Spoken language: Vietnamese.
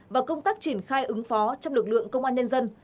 và công tác triển khai ứng phó trong lực lượng công an nhân dân